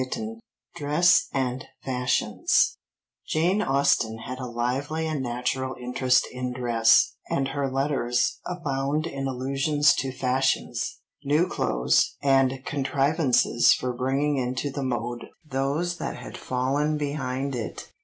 CHAPTER XIII DRESS AND FASHIONS Jane Austen had a lively and natural interest in dress, and her letters abound in allusions to fashions, new clothes, and contrivances for bringing into the mode those that had fallen behind it.